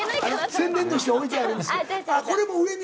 宣伝として置いてあるんです。